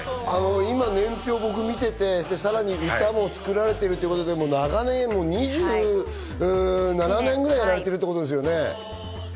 年表を僕、見ていて、さらに歌も作られているということで、長年、２７年ぐらいやられてるってことですよね。